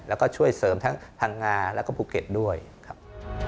แล้วก็ช่วยเสริมทั้งพังงาแล้วก็ภูเก็ตด้วยครับ